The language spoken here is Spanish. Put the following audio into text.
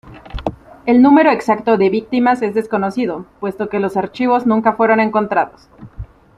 El número exacto de víctimas es desconocido puesto que los archivos nunca fueron encontrados.